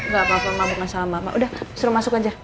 gak apa apa mak bukan sama mama udah suruh masuk aja